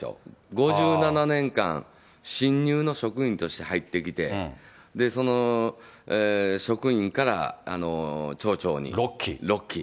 ５７年間新入の職員として入ってきて、その職員から町長に６期。